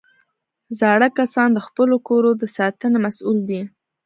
زاړه کسان د خپلو کورو د ساتنې مسؤل دي